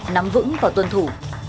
nắm vững và tuân thủ